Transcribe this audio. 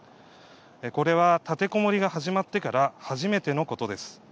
これは立てこもりが始まってから初めてのことです。